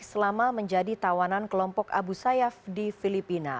selama menjadi tawanan kelompok abu sayyaf di filipina